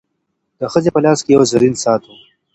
د ښځي په لاس کي یو زرین ساعت و.